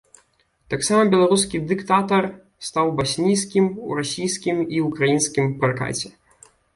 Таксама беларускі дыктатар стаў баснійскім у расійскім і ўкраінскім пракаце.